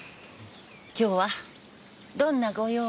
今日はどんなご用？